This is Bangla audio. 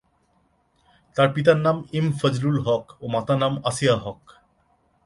তার পিতার নাম এম ফজলুল হক ও মাতার নাম আসিয়া হক।